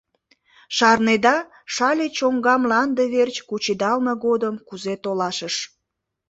— Шарнеда, Шале чоҥга мланде верч кучедалме годым кузе толашыш.